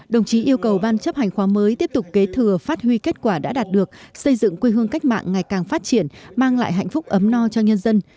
đồng chí yêu cầu ban chấp hành khóa mới tiếp tục kế thừa phát huy kết quả đã đạt được xây dựng quê hương cách mạng ngày càng phát triển mang lại hạnh phúc ấm no cho nhân dân